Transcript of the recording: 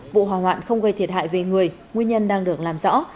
vụ hỏa hoạn không gây thiệt hại về người nguyên nhân đang được làm rõ